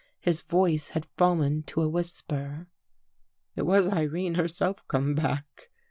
His voice had fallen to a whisper. " It was Irene herself come back.